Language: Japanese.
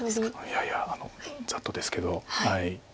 いやいやざっとですけど。